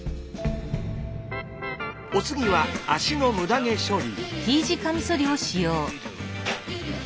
お次は脚のムダ毛処理。